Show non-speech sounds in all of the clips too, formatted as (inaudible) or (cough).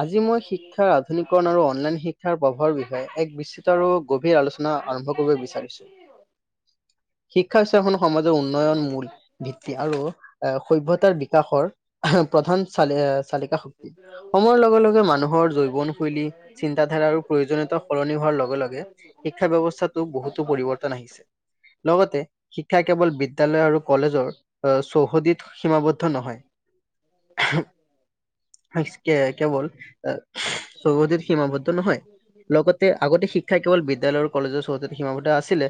আজি মই শিক্ষাৰ আধুনিকৰণ আৰু অনলাইন শিক্ষাৰ প্ৰভাৱৰ বিষয়ে এক বিস্তৃত আৰু গভীৰ আলোচন হয় আৰম্ভ কৰিব বিচাৰিছোঁ। শিক্ষা হৈছে এখন সমাজৰ উন্নয়নৰ মূল ভিত্তি আৰু সভ্যতাৰ বিকাশৰ প্ৰধান চালি-চালিকা শক্তি। সময়ৰ লগে লগে মানুহৰ জৈৱনশৈলী চিন্তাধাৰা আৰু প্ৰয়োজনীয়তা সলনি হোৱাৰ লগে লগে। শিক্ষা ব্যৱস্থাতো বহুতো পৰিৱৰ্তন আহিছে, লগতে শিক্ষা কেৱল বিদ্যালয় আৰু কলেজৰ আ, চৌহদিত সীমাবদ্ধ নহয়। (unintelligible) কেৱল (unintelligible) চৌহদিত সীমাবদ্ধ নহয়। লগতে আগতে শিক্ষ শিক্ষা কেৱল বিদ্যালয় আৰু কলেজৰ চৌহদতে সীমাৱদ্ধ আছিলে,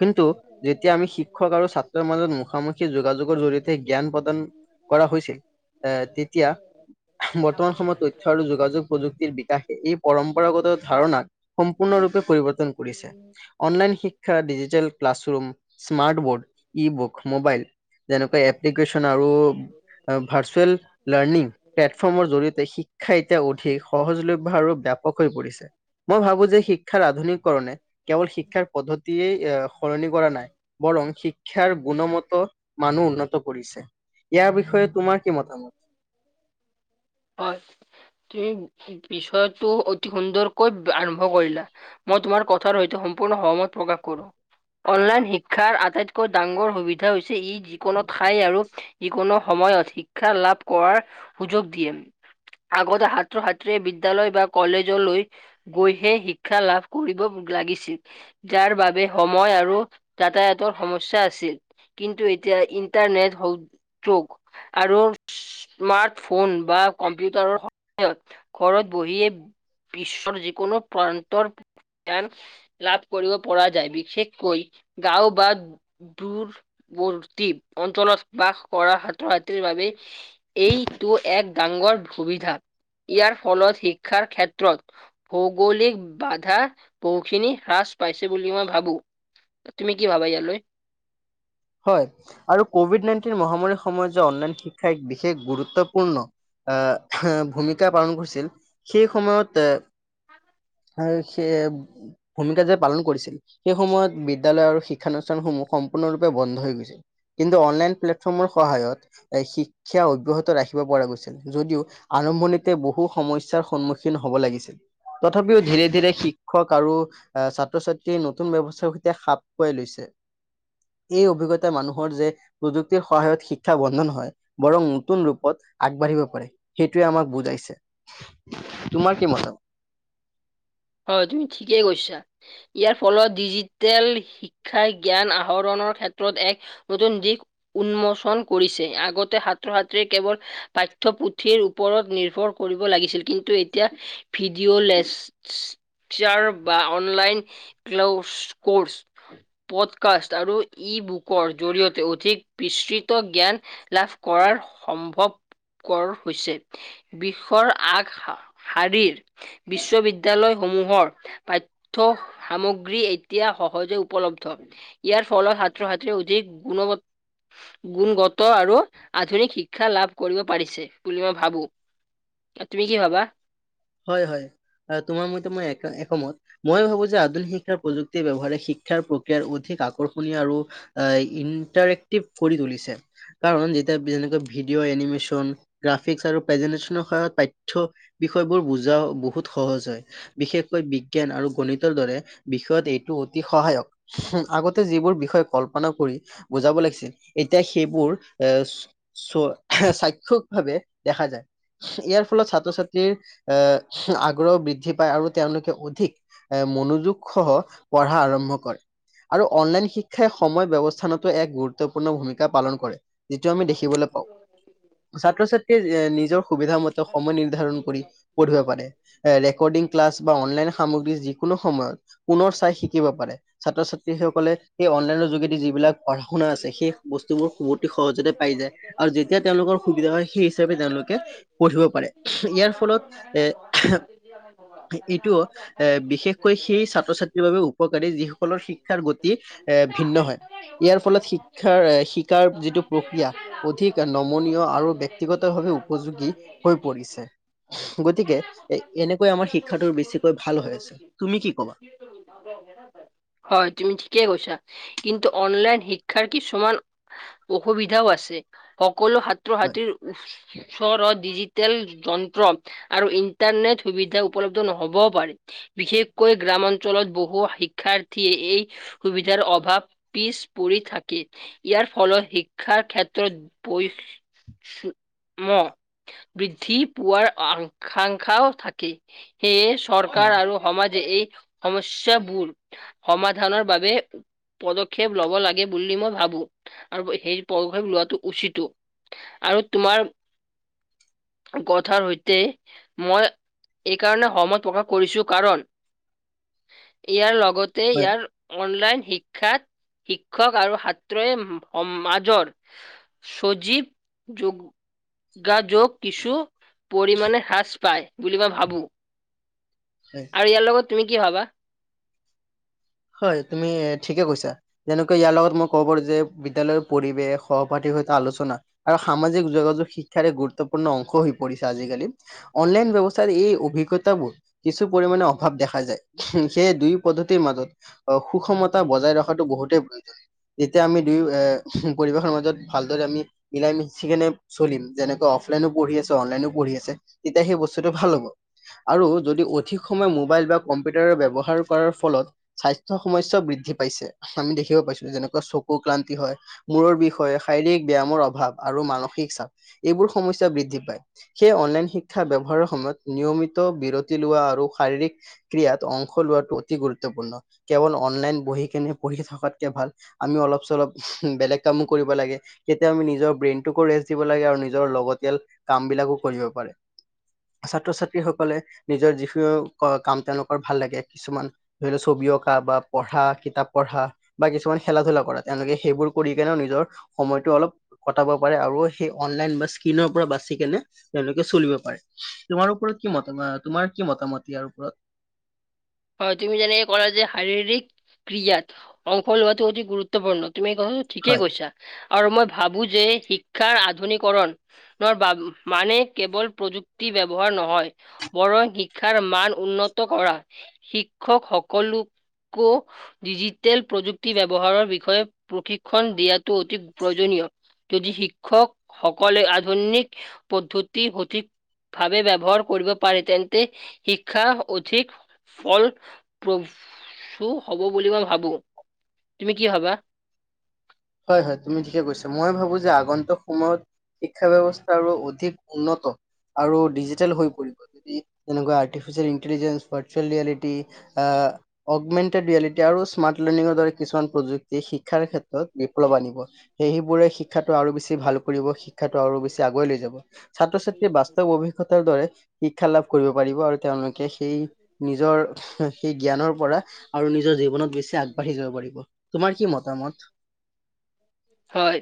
কিন্তু যেতিয়া আমি শিক্ষক আৰু ছাত্ মাজত মুখামুখ যোগাযোগৰ জৰিয়তে জ্ঞান প্ৰদান কৰা হৈছিল এ তেতিয়া (unintelligible) (unintelligible) সময় তথ্য আৰু যোগাযোগ প্ৰযুক্তিৰ বিকাশে এই পৰম্পৰাগত ধাৰণাক সম্পূৰ্ণৰূপে পৰিৱৰ্তন কৰিছে। অনলাইন শিক্ষা, digital classroom, smart board, e book, mobile. যেনেকৈ এপ্লিকেশ্যন আৰু ভাৰ্চুৱেল লাৰ্ণিং প্লেটফৰ্মৰ জৰিয়তে শিক্ষা এতিয়া অধিক সহজলভ্য আৰু ব্যাপ পক হৈ পৰিছে। মই ভাবো যে শিক্ষাৰ আধুনিককৰণে কেৱল শিক্ষাৰ পদ্ধ তিয়েই এ সলনি কৰা নাই, বৰং শিক্ষাৰ গুণমত মানু উন্নত কৰিছে। ইয়াৰ বিষয়ে তোমাৰ কি মতামত? হয়, তুমি বিষয়টো অতি সুন্দৰকৈ আৰম্ভ কৰিলা। মই তোমাৰ কথাৰ সৈতে সম্পূৰ্ণ সহমত প্ৰকাশ কৰোঁ। অনলাইন শিক্ষাৰ আটাইতকৈ ডাঙৰ সুবিধা ধা হৈছে ই যিকোনো ঠাই আৰু যিকোনো সময়ত শিক্ষা লাভ কৰাৰ সুযোগ দিয়ে। আগতে ছাত্ৰ-ছাত্ৰীয়ে বিদ্যালয় বা কলেজলৈ গৈহে শিক্ষা লাভ কৰিব লাগিছিল। যাৰ বাবে সময় আৰু যাতায়াতৰ সমস্যা আছিল। কিন্তু এতিয়া ইন্টাৰনেট হ'ল (unintelligible) আৰু স্মাৰ্ট ফোন বা কম্পিউটাৰৰ সহায়ত ঘৰত বহিয়ে বিশ্বৰ যিকোনো প্ৰান্তৰ জ্ঞান লাভ কৰিব পৰা যায়, বিশেষকৈ গাঁও বা দূৰ বৰ্তি অঞ্চলত বাস কৰা ছাত্ৰ-ছাত্ৰীৰ বাবে এইটো এক ডাঙগৰ সুবিধা। ইয়াৰ ফলত শিক্ষাৰ ক্ষেত্ৰত ভৌগোলিক বাধা বহুখিনি হ্ৰাস পাইছে বুলি মই ভাবো। তুমি কি ভাবা ইয়াত লৈ? হয়, আৰু কভিড নাইনটিন মহামাৰীৰ সময়ত যে অনলাইন শিক্ষা এক বিশেষ গুৰুত্বপূৰ্ণ আহ, ভূমিকা পালন কৰিছিল সেই সময়ত এ আৰু সেই ভূমিকা যে পালন কৰিছিল সেই সময়ত বিদ্যালয় আৰু শিক্ষানুষ্ঠান সমূহ সম্পূৰ্ণৰূপে বন্ধ হৈ গৈছে, কিন্তু অনলাইন প্লেটফৰ্মৰ সহায়ত এ শিক্ষা অব্যাহত ৰাখিব পৰা গৈছিল। যদিও আৰম্ভণিতে বহু সমস্যাৰ সন্মুখীন হ'ব লাগিছিল। তথাপিও ধীৰে ধীৰে শিক্ষক আৰু আহ ছাত্ৰ-ছাত্ৰীয়ে নতুন ব্যৱস্থাৰ সৈতে খাপ খোৱাই লৈছে। এই অভিজ্ঞতা মানুহৰ যে প্ৰযুক্তিৰ সহায়ত শিক্ষা বন্ধ নহয় বৰং নতুন ৰূপত আগবাঢ়িব পাৰে। সেইটোৱে আমাক বুজাইছে, তোমাৰ কি মতত? হয় তুমি ঠিকেই কৈছা, ইয়াৰ ফলত ডিজিটেল শিক শিক্ষাই জ্ঞান আহৰণৰ ক্ষেত্ৰত এক নতুন দিশ উন্মোচন কৰিছে। আগতে সাত্ৰ সাত্ৰীয়ে কেৱল পাঠ্য পুথিৰ ওপৰত নিৰ্ভৰ কৰিব লাগিছিল। কিন্তু এতিয়া ভিডিঅ'লেছ চিয়াৰ বা অনলাইন ক্লাউচ কৰ্চ পডকষ্ট আৰু ই বুকৰ জৰিয়তে অধিক বিস্তৃত জ্ঞান লাভ কৰাৰ সম্ভৱ কৰ হৈছে। বিষৰ আগ হা শাৰীৰ বিশ্ব বিদ্য বিদ্যালয়সমূহৰ পাঠ্য সামগ্ৰী এতিয়া সহজে উপলব্ধ। ইয়াৰ ফলত হাত্ৰ হাত্ৰীয়ে অধিক গুণগত গুণগত আৰু আধুনিক শিক্ষা লাভ কৰিব পাৰিছে, বুলি মই ভাবো। তুমি কি ভাবা? হয় হয় তোমাৰ মতে মই একা একমত। মই ভাবো যে আধুনিক শিক্ষাৰ প্ৰযুক্তিৰ ব্যৱহাৰে শিক্ষাৰ প্ৰক্ৰিয়াৰ অধিক আকৰ্ষণীয় আৰু এঁ ইনটাৰেক্টিপ কৰি তুলিছে কাৰণ যেতিয়া যেনেকৈ ভিডিঅ' এনিমেশচন গ্ৰাফিকছ আৰু প্ৰেজেন্টেচনৰ সহায়ত পাঠ্য বিষয়বোৰ বুজা বহুত সহজ হয়। বিশেষকৈ বিজ্ঞান আৰু গণিতৰ দৰে বিষয়ত এইটো অতি সহায়ক। আগতে যিবোৰ বিষয়ে কল্পনা কৰি বুজাব লাগিছিল, এতিয়া সেইবোৰ এ চ' সাক্ষক ভাৱে দেখা যায়। ইয়াৰ ফলত ছাত্ৰ ছাত্ৰী এ' আগ্ৰহ বৃদ্ধি পায় আৰু তেওঁলোকে অধিক এ মনোযোগ সহ পঢ়া আৰম্ভ কৰে। আৰু অনলাইন শিক্ষাই সময় ব্যৱস্থানতো এক গুৰুত্বপূৰ্ণ ভূমিকা পালন কৰে। যিটো আমি দেখিবলে পাওঁ। ছাত্ৰ ছাত্ৰীয়ে নিজৰ সুবিধা মতে সময় নিৰ্ধাৰণ কৰি পঢ়িব পাৰে। এ ৰেকৰ্ডিং ক্লাছ বা অনলাইন সামগ্ৰী যিকোনো সময়ত পুনৰ চাই শিকিব পাৰে। ছাত্ৰ ছাত্ৰীসকলে, সেই অনলাইনৰ যোগেদি যিবিলাক পঢ়া শুনা আছে, সেই বস্তুবোৰ অতি সহজতে পাই যায়। আৰু যেতিয়া তেওঁলোকৰ সুবিধা হয় সেই হিচাপে তেওঁলোকে পঢ়িব পাৰে। ইয়াৰ ফলত এ (unintelligible) এইটো এ বিশেষকৈ সেই ছাত্ৰ ছাত্ৰীৰ বাবে উ উপকাৰী যিসকলৰ শিক্ষাৰ গতি এ ভিন্ন হয়। ইয়াৰ ফলত শিক্ষাৰ শিকাৰ যিটো প্ৰক্ৰিয়া, অধিক নমনীয় আৰু ব্যক্তিগত ভাৱে উ উপযোগী হৈ পৰিছে। গতিকে এ এনেকৈ আমাৰ শিক্ষাটোৰ বেছিকৈ ভাল হৈ আছে। তুমি কি কবা? হয় তুমি ঠিকেই কৈছা, কিন্তু অনলাইন শিক্ষাৰ কি সমান অসুবিধাও আছে। সকলো সাত্ৰ হয় হাত্ৰীৰ ওচৰত ডিজিত তেল যন্ত্ৰ আৰু ইন্টাৰনেট সুবিধা উপলব্ধ নহ'বও পাৰে। বিশেষকৈ গ্ৰাম অঞ্চলত বহু শিক্ষাৰ্থী এই সুবিধাৰ অভাৱ পিছ পৰি থাকে, ইয়াৰ ফলত শিক্ষাৰ ক্ষেত্ৰত বৈ ম বৃদ্ধি পোৱাৰ আকাংক্ষাও থাকে, সেয়ে হয় চৰকাৰ আৰু সমাজে এই সমস্যাবোৰ সমাধানৰ বাবে পদক্ষেপ ল'ব লাগে। গে বুলি মই ভাবো আৰু সেই পদক্ষেপ লোৱাটো উচিতো আৰু তোমাৰ কথাৰ সৈতে মই এইকাৰণে সম প্ৰকাশ কৰিছো, কাৰণ ইয়াৰ লগত তে হয় ইয়াৰ অনলাইন শিক্ষাৰ শিক্ষক আৰু সাত্ৰই সমাজৰ সজীৱ যু গা যোগ কিছু পৰিমানে হ্ৰাস পায়, বুলি মই ভাবো। হয়। আৰু ইয়াৰ লগত তুমি কি ভবা হয়। তুমি ঠিকে কৈছা। যেনেকৈ ইয়াৰ লগত মই ক'ব পাৰো যে, বিদ্যালয়ৰ পৰিৱেশ সহপাঠীৰ সৈতে আলোচনা আৰু সামাজিক যোগাযোগ শিক্ষাৰ এক গুৰুত্বপূৰ্ণ অংশ হৈ পৰিছে। আজিকালি অনলাইন ব্যৱস্থাৰ এই অভিজ্ঞতাবোৰ কিছু পৰিমমানে অভাৱ দেখা যায়। সেইয়ে দুই পদ্ধতিৰ মাজত অ', সুষমতা বজাই ৰখাটো বহুতেই প্ৰয়োজন যেতিয়া আমি দুয়ো এ, পৰিৱেশৰ মাজত ভালদৰে আমি মিলাই মিছিখিনে চলিম যেনেকে অফলাইনো পঢ়ি আছে। অনলাইনও পঢ়ি আছে। তেতিয়া সেই বস্তুটো ভাল হ'ব। আৰু যদি অধিক সময় মোবাইল বা কম্পিউটাৰ ব্যৱহাৰ কৰাৰ ফলত স্বাস্থ্য সমস্যাও বৃদ্ধি পাইছে। আমি দেখিব পাইছো। যেনেকুৱা চকু ক্লান্তি হয়। মুৰৰ বিষ হয়। শাৰীৰিক ব্যায়ামৰ অভাৱ আৰু মানসিক চাপ এইবোৰ সমস্যা বৃদ্ধি পায়। সেয়ে অনলাইন শিক্ষা ব্যৱহাৰৰ সময়ত নিয়মিত বিৰতি লোৱা আৰু শাৰীৰিক ক্ৰিয়াত অংশ লোৱাটো অতি গুৰুত্বপূৰ্ণ কেৱল অনলাইন বহি কেনে পঢ়ি থকাতকে ভাল আমি অলপ চলপ বেলেগ কামো কৰিব লাগে। কেতিয়াবা আমি নিজৰ ব্ৰেইনটোকো ৰেষ্ট দিব লাগে, আৰু নিজৰ লগতিয়াল কাম বিলাকো কৰিব পাৰে। ছাত্ৰ ছাত্ৰীসকলে নিজৰ যিখিনি কাম তেওঁলোকৰ ভাল লাগে। কিছুমান ধৰি লওক ছবি অঁকা বা পঢ়া কিতাপ বা কিছুমান খেলা ধূলা কৰা তেওঁলোকে সেইবোৰ কৰি কেনেও নিজৰ সময়টো অলপ কটাব পাৰে আৰু সেই অনলাইন বা স্কিলৰ পৰা বাচি কেনে তেওঁলোকে চলিব পাৰে। তোমাৰ ওপৰত কি মত তোমাৰ কি মতামত ইয়াৰ ওপৰত হয়। তুমি যেনেকে কলা যে শাৰীৰিক ক্ৰিয়াত অংশ লোৱাটো অতি গুৰুত্বপূৰ্ণ তুমি (unintelligible) হয় ঠিকেই কৈছা আৰু মই ভাবো যে শিক্ষাৰ আধুনিকৰণ (unintelligible) মানে কেৱল প্ৰযুক্তি ব্যৱহাৰ নহয়। বৰং শিক্ষাৰ মান উন্নত কৰা শিক্ষক সকলোকো ডিজিটেল প্ৰযুক্তি ব্যৱহাৰৰ প্ৰশিক্ষণ দিয়াটো অতি প্ৰয়োজনীয় যদি শিক্ষক সকলে আধুনিক পদ্ধতিৰ সঠিক ভাৱে ব্যৱহাৰ কৰিব পাৰে। তেন্তে শিক্ষা অধিক ফল প্ৰসু হব বুলি মই ভাবো তুমি কি ভবা? হয়। হয়। তুমি ঠিকে কৈছা। মই ভাবো যে আগন্তুক সময়ত শিক্ষা ব্যৱস্থা আৰু অধিক উন্নত আৰু ডিজিটেল হৈ পৰিব যদি যেনেকে artificial intelligence virtual reality augmented reality আৰু স্মাৰ্ট লাৰ্ণিঙৰ দৰে। কিছুমান প্ৰযুক্তি শিক্ষাৰ ক্ষেত্ৰত বিপ্লৱ আনিব সেই সেইবোৰে শিক্ষাটো আৰু বেছি ভাল কৰিব শিক্ষাটো আৰু বেছি আগুৱাই লৈ যাব। ছাত্ৰ ছাত্ৰীয়ে বাস্তৱ অভিজ্ঞতাৰ দৰে শিক্ষা লাভ কৰিব পাৰিব আৰু তেওঁলোকে সেই নিজৰ সেই জ্ঞানৰ পৰা আৰু নিজৰ জীৱনত বেছি আগবাঢ়ি যাব পাৰিব। তোমাৰ কি মতামত? হয়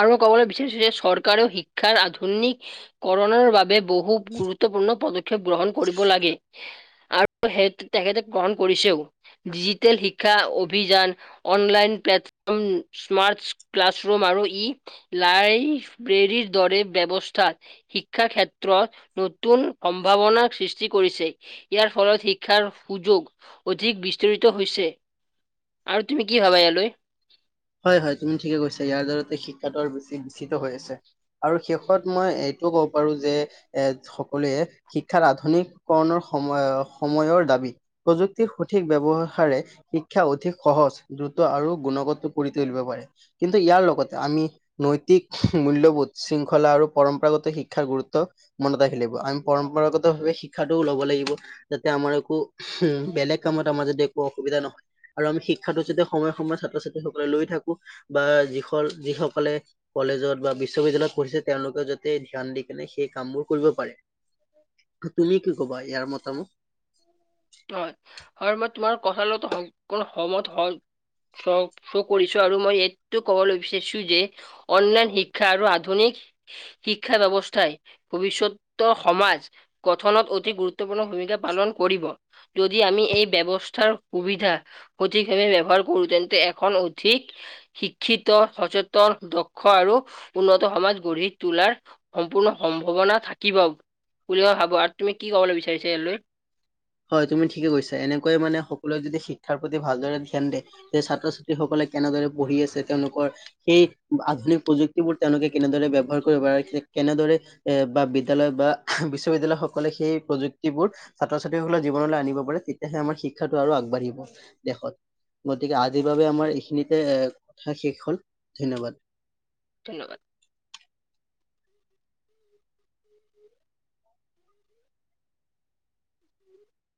আৰু মই ক'বলৈ বিচাৰিছোঁ যে চৰকাৰেও শিক্ষাৰ আধুনিক কৰুণাৰ বাবে বহু গুৰুত্বপূৰ্ণ পদক্ষেপ গ্ৰহণ কৰিব লাগে আৰু। আৰু সেই তেখেতে গ্ৰহণ কৰিছেও। ডিজিটেল শিক্ষা অভিযান, অনলাইন প্লেটফৰ্ম স্মাৰ্ট ক্লাছৰুম আৰু ই লাইব্ৰেৰীৰ দৰে ব্যৱস্থা। শিক্ষা ক্ষেত্ৰত নতুন সম্ভাৱনাৰ সৃষ্টি কৰিছে। ইয়াৰ ফলত শিক্ষাৰ সুযোগ অধিক বিস্তৰিত হৈছে। আৰু তুমি কি ভাবা ইয়াৰলৈ। হয়, হয় তুমি ঠিকে কৈছা, ইয়াৰ দ্বাৰাতে শিক্ষাটো আৰু বেছি বিচ্চিত হৈ আছে আৰু শেষত মই এইটোও ক'ব পাৰোঁ যে এৰ সকলোৱে শিক্ষাৰ আধুনিক কৰণৰ সময় সময়ৰ দাবী প্ৰযুক্তিৰ সঠিক ব্যৱহাৰে শিক্ষা অধিক সহজ দ্ৰুত আৰু গুণগত। কৰি তুলিব পাৰে, কিন্তু, ইয়াৰ লগতে আমি নৈতিক মূল্যবোধ শৃংখলা আৰু পৰম্পৰাগত শিক্ষাৰ গুৰুত্ব মনত ৰাখিব লাগিব আমি পৰম্পৰাগত ভাৱে শিক্ষাটোও ল'ব লাগিব, যাতে আমাৰ একো উম, বেলেগ কামত আমাৰ যদি একো অসুবিধা নহয় আৰু আমি শিক্ষাতো যাতে সময়ে, সময়ে ছাত্ৰ ছাত্ৰী লৈ থাকো বা যি যিসকলে কলেজত বা বিশ্ববিদ্যালয়ত পঢ়িছে, তেওঁলোকে যাতে ধ্যান দি কেনে সেই কামবোৰ কৰিব পাৰে। তুমি কি ক'বা ইয়াৰ মতামত। হয়, মই কথা লগত সম সমত হয়। লক্ষ্য কৰিছোঁ আৰু মই এইটো ক'বলৈ বিচাৰিছোঁ যে অনলাইন শিক্ষা আৰু আধুনিক শিক্ষা ব্যৱস্থাই ভৱিষ্যত সমাজ গঠনত অতি গুৰুত্বপূৰ্ণ ভূমিকা পালন কৰিব। যদি আমি এই ব্যৱস্থাৰ সুবিধা সঠিকভাৱে ব্যৱহাৰ কৰোঁ তেন্তে এখন অধিক শিক্ষিত সচেতন দক্ষ আৰু উন্নত সমাজ গঢ়ি তোলাৰ সম্পূৰ্ণ সম্ভাৱনা থাকিব। ওলোৱা ভাবা আৰু তুমি কি ক'বলৈ বিচাৰিচে ইয়াৰ লৈ। হয়, তুমি ঠিকে কৈছা, এনেকৈয়ে মানে সকলোৱে যদি শিক্ষাৰ প্ৰতি ভালদৰে ধ্যান দিয়ে। এই ছাত্ৰ ছাত্ৰীসকলে কেনেদৰে পঢ়ি আছে, তেওঁলোকৰ সেই আধুনিক প্ৰযুক্তিবোৰ তেওঁলোকে কেনেদৰে ব্যৱহাৰ কৰিব পাৰে ঠিক কেনেদৰে এ বা বিদ্যালয় বা বিশ্ববিদ্যয়ালয় সকলে সেই প্ৰযুক্তিবোৰ ছাত্ৰ ছাত্ৰীসকলৰ জীৱনলৈ আনিব পাৰে, তেতিয়াহে আমাৰ শিক্ষাটো আৰু আগবাঢ়িব দেশত। গতিকে আজিৰ বাবে আমাৰ এইখিনিতে এ কথা শেষ হ'ল, ধন্যবাদ। ধন্যবাদ।